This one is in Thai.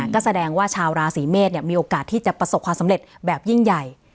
ก็แสดงว่าชาวราศีเมษมีโอกาสที่จะประสบความสำเร็จแบบยิ่งใหญ่